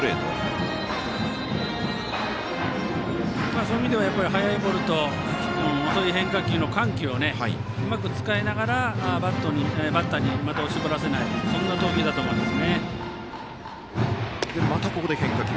そう見ると速いボールと遅い変化球の緩急をうまく使いながらバッターに的を絞らせないそんな投球だと思います。